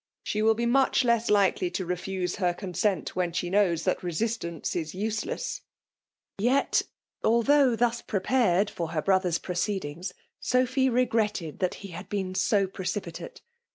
She will be much less likely to refuse her con s6tit^ when she knows that resistance is use less !*• Yet, although thus prepared for her bro ther's proceedings, Sophy regretted that he had been so precipitate.